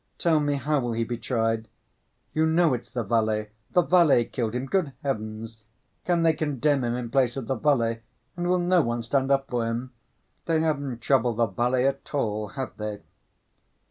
Tell me, how will he be tried? You know it's the valet, the valet killed him! Good heavens! Can they condemn him in place of the valet and will no one stand up for him? They haven't troubled the valet at all, have they?"